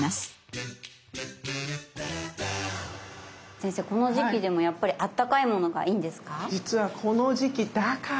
先生この時期でもやっぱりあったかいものがいいんですか？